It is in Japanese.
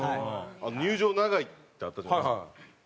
入場長いってあったじゃないですか。